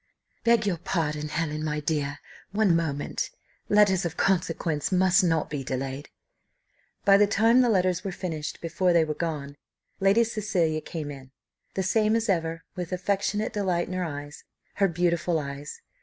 "Beg your pardon, Helen, my dear one moment. Letters of consequence must not be delayed." By the time the letters were finished, before they were gone, Lady Cecilia came in. The same as ever, with affectionate delight in her eyes her beautiful eyes.